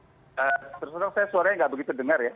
terus terang saya suaranya nggak begitu dengar ya